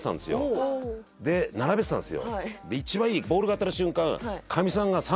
おおで並べてたんですよ